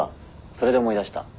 それで思い出した。